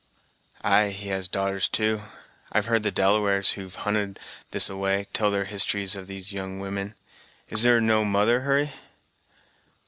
"Ay, he has darters, too; I've heard the Delawares, who've hunted this a way, tell their histories of these young women. Is there no mother, Hurry?"